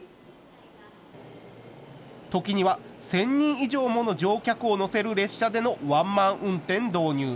ときには１０００人以上もの乗客を乗せる列車でのワンマン運転導入。